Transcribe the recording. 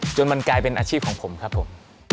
จนมันกลายเป็นอาชีพของผมครับผม